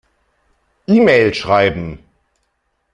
E-Mail schreiben.